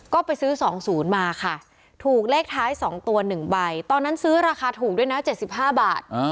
ก็ไปซื้อสองศูนย์มาค่ะถูกเลขท้ายสองตัวหนึ่งใบตอนนั้นซื้อราคาถูกด้วยนะเจ็ดสิบห้าบาท